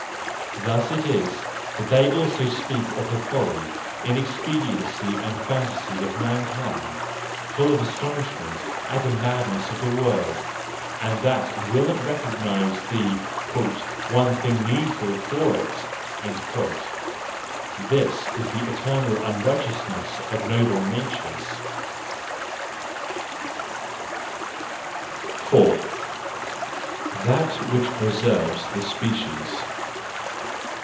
Thus it is that they also speak of the folly, inexpediency a*nd fantasy of mankind, full of astonishment at the madness of the world, and that it will not recognise the "one thing needful for it."—This is the eternal unrighteousness of noble natures. 4 * That which Preserves the Species